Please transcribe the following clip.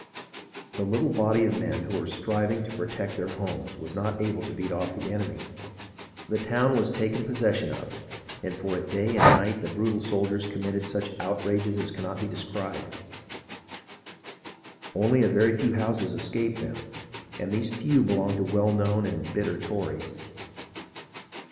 The little body of men who were striving to protect their homes was not able to beat off the enemy. The town was taken possession of, and for a day and a night the brutal soldiers committed such outrages as cannot be described. Only a very few houses escaped them, and_ these few belonged to well known and bitter Tories.